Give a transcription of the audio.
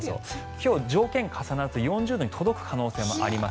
今日、条件が重なると４０度に届く可能性もあります。